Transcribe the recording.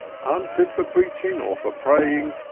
Unfit for preaching or for praying.